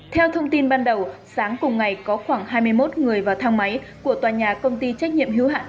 theo thông tin ban đầu sáng cùng ngày có khoảng hai mươi một người vào thang máy của tòa nhà công ty trách nhiệm hữu hạn